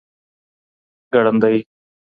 ګړندی